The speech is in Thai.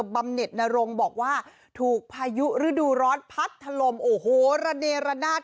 ำเน็ตนรงบอกว่าถูกพายุฤดูร้อนพัดถล่มโอ้โหระเนระนาด